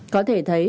có thể thấy